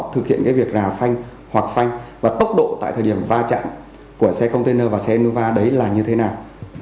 điện nghĩa việc rà phanh hoặc phanh và tốc độ tại thời điểm va chạm của xe container và xe innova đấy là như thế nào